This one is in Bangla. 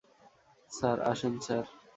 স্যার, আসেন, স্যার।